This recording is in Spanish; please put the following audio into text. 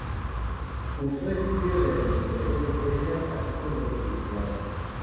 Cursó estudios de administración de empresas así como de publicidad.